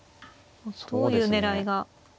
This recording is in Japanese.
どういう狙いが。